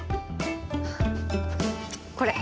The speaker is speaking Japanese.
これ！